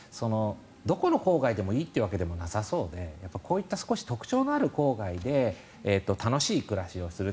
どこの郊外でもいいというわけでもなさそうでこういった少し特徴のある郊外で楽しい暮らしをする。